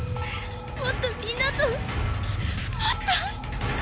もっとみんなともっと。